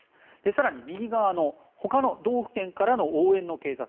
更に、右側のほかの道府県からの応援の警察